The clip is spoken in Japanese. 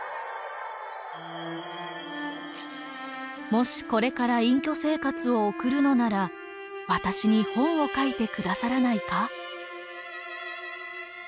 もしこれから隠居生活を送るのなら私に本を書いて下さらないか。